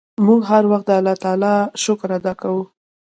موږ هر وخت د اللهﷻ شکر ادا کوو.